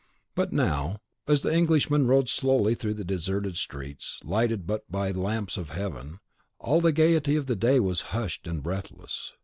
But now, as the Englishmen rode slowly through the deserted streets, lighted but by the lamps of heaven, all the gayety of day was hushed and breathless.